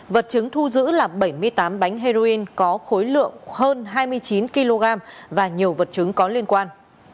vật chứng thu giữ là bảy mươi tám bánh heroin có khối lượng hơn hai mươi chín kg và nhiều vật chứng có liên quan